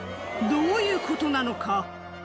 どういうことなのか。